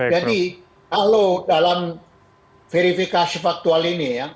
jadi kalau dalam verifikasi faktual ini